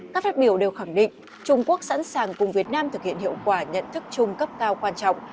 các phát biểu đều khẳng định trung quốc sẵn sàng cùng việt nam thực hiện hiệu quả nhận thức chung cấp cao quan trọng